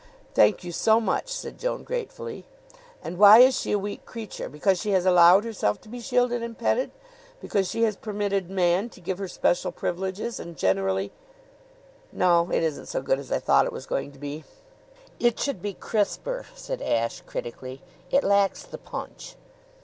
"Thank you so much," said Joan gratefully. "And why is she a weak creature? Because she has allowed herself to be shielded and petted; because she has permitted man to give her special privileges, and generally No; it isn't so good as I thought it was going to be." "It should be crisper," said Ashe critically. "It lacks the punch."